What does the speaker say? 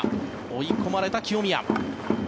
追い込まれた清宮。